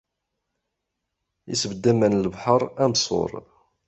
Isbedd aman n lebḥeṛmr am ṣṣur.